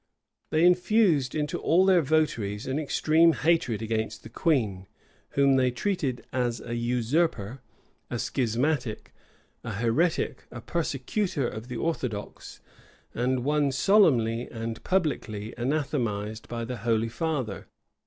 They infused into all their votaries an extreme hatred against the queen, whom they treated as a usurper, a schismatic, a heretic, a persecutor of the orthodox, and one solemnly and publicly anathematized by the holy father.